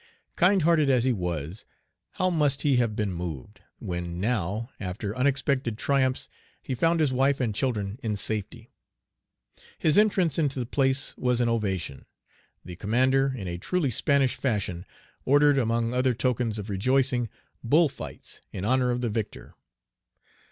Kind hearted as he was, how must he have been moved, when now, after unexpected triumphs, he found his wife and children in safety. His entrance into the place was an ovation. The commander, in a truly Spanish fashion, ordered, among other tokens of rejoicing, bull fights, in honor of the victor.